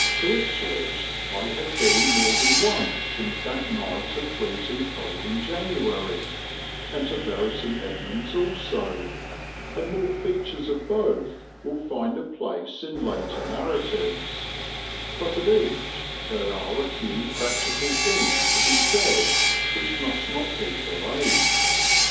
To Ipswich I have been more than once since that night of freezing cold in January, and to Bury St. Edmunds also, and more features of both will find a place in later narratives; but of each there are a few practical things to be said which must not be delayed.